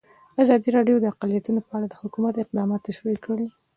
ازادي راډیو د اقلیتونه په اړه د حکومت اقدامات تشریح کړي.